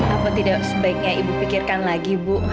apa tidak sebaiknya ibu pikirkan lagi bu